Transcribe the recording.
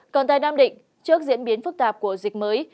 còn tại nam định trước diễn biến phức tạp của dịch mới